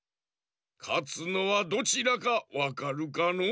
かつのはどちらかわかるかのう？